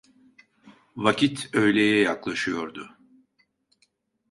Vakit öğleye yaklaşıyordu.